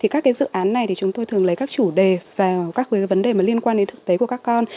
các dự án này chúng tôi thường lấy các chủ đề vào các vấn đề liên quan đến thực tế của các con